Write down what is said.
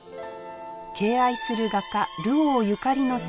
敬愛する画家ルオーゆかりの地